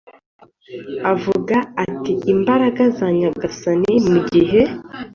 avuga ati imbaraga za Nyagasani mugihe